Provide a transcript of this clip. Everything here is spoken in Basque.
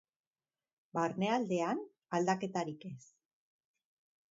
Barnealdean, aldaketarik ez.